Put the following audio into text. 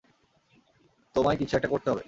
তোমায় কিছু একটা করতে হবে।